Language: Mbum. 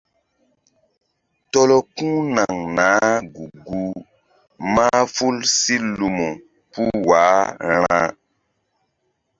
Tɔlɔ ku̧ naŋ naah gu-guh mahful si lumu puh wah ra̧.